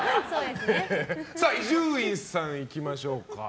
伊集院さん、いきましょうか。